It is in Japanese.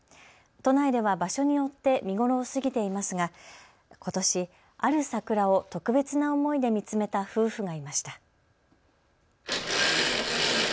都内では場所によって見頃を過ぎていますがことしある桜を特別な思いで見つめた夫婦がいました。